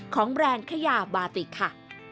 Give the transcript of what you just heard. แบรนด์ขยาบาติกค่ะ